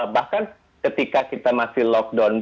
bahkan ketika kita masih lockdown